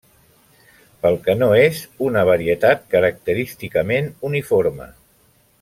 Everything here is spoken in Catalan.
Pel que no és una varietat característicament uniforme.